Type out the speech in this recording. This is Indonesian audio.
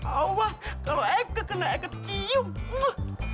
awas kalau ikut kena ikut cium